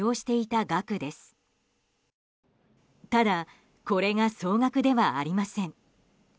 ただ、これが総額ではありません。